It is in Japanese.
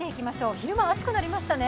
昼間、暑くなりましたね。